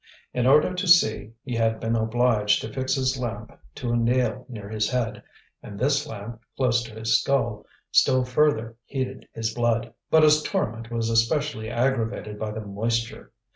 In order to see, he had been obliged to fix his lamp to a nail near his head, and this lamp, close to his skull, still further heated his blood. But his torment was especially aggravated by the moisture.